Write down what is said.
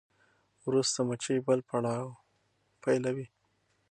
وروسته مچۍ بل پړاو پیلوي.